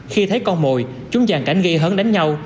khi thấy con mồi chúng dàn cảnh gây hấn đánh nhau